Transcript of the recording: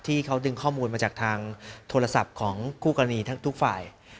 ที่เขาดึงข้อมูลมาจากทางโทรศัพท์ของคู่กรณีทั้งทุกฝ่าย